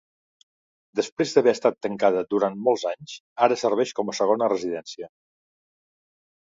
Després d'haver estat tancada durant molts anys ara serveix com a segona residència.